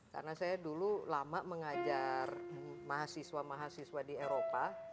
karena saya dulu lama mengajar mahasiswa mahasiswa di eropa